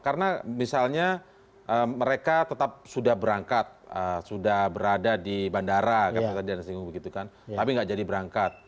karena misalnya mereka tetap sudah berangkat sudah berada di bandara tapi tidak jadi berangkat